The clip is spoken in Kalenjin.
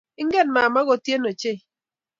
Ingen mama kotien ochein